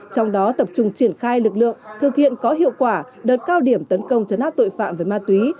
trong đó tập trung triển khai lực lượng thực hiện có hiệu quả đợt cao điểm tấn công chấn áp tội phạm về ma túy